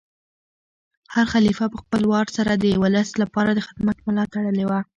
هر خلیفه په خپل وار سره د ولس لپاره د خدمت ملا تړلې وه.